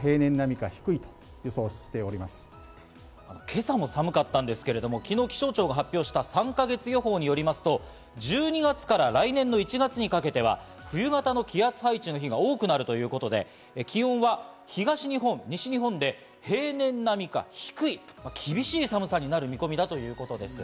今朝も寒かったんですけれども、昨日気象庁が発表した３か月予報によりますと、１２月から来年の１月にかけては冬型の気圧配置の日が多くなるということで、気温は東日本、西日本で平年並みか低い、厳しい寒さになる見込みだということです。